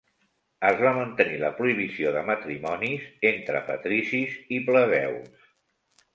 Es va mantenir la prohibició de matrimonis entre patricis i plebeus.